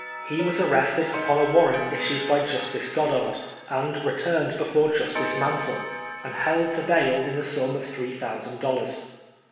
He was arrested upon a warrant issued by Justice Goddard, and returned before Jus tice IMansel, and held to bail in the sum of three thou sand dollars.